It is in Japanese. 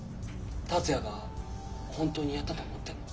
達也が本当にやったと思ってるの？